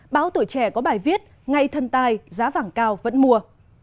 báo tuổi trẻ có bài viết ngay thần tài giá vàng cao vẫn mua